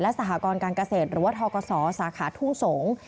สหกรการเกษตรหรือว่าทกศสาขาทุ่งสงศ์